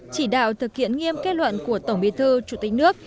chỉ đạo thực hiện nghiêm kết luận của tổng bí thư chủ tịch nước